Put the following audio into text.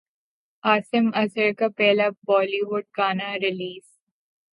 عاصم اظہر کا پہلا بولی وڈ گانا ریلیز